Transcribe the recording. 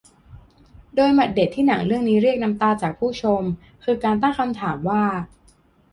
โดยหมัดเด็ดที่หนังเรื่องนี้เรียกน้ำตาจากผู้ชมคือการตั้งคำถามว่า